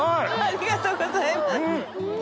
ありがとうございます。